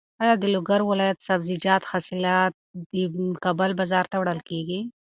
ایا د لوګر ولایت د سبزیجاتو حاصلات د کابل بازار ته رسول کېږي؟